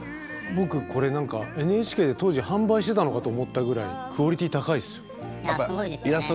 僕これＮＨＫで当時販売してたのかと思ったぐらいクオリティー高いですよ。